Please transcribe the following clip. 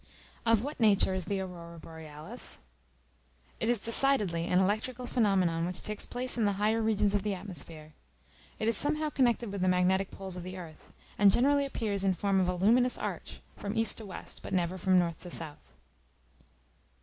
Of what nature is the Aurora Borealis? It is decidedly an electrical phenomenon which takes place in the higher regions of the atmosphere. It is somehow connected with the magnetic poles of the earth; and generally appears in form of a luminous arch, from east to west, but never from north to south.